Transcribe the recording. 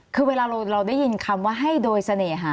คือเวลาเราได้ยินคำว่าให้โดยเสน่หา